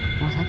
rumah sakit ya